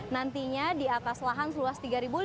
nantinya di atas lahan seluas